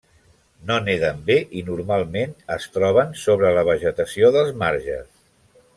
No neden bé i normalment es troben sobre la vegetació dels marges.